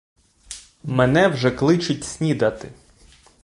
Мене вже кличуть снідати.